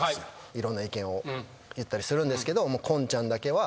いろんな意見を言ったりするんですけど。